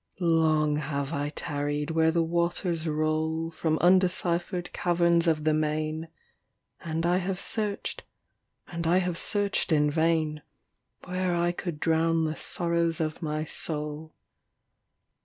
XVII Long have I tarried where the waters roll From undeciphered caverns of the main, Andlhave searched, andl have searched in vain, Where I could drown the sorrows of my soul.